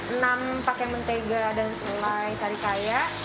enam pakai mentega dan selai sarikaya